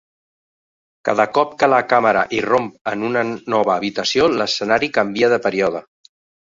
Cada cop que la càmera irromp en una nova habitació l'escenari canvia de període.